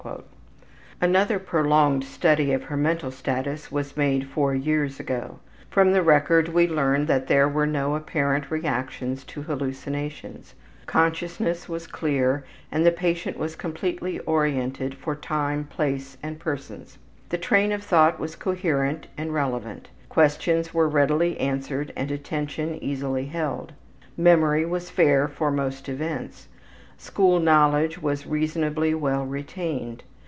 '' Another prolonged study of her mental status was made four years ago. From the record we learn that there were no apparent reactions to hallucinations. Consciousness was clear and the patient was completely oriented for time, place, and persons. The train of thought was coherent and relevant. Questions were readily answered and attention easily held. Memory was fair for most events. School knowledge was reasonably well retained.